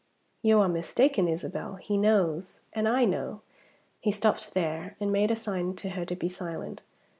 "You are mistaken, Isabel. He knows and I know." He stopped there, and made a sign to her to be silent.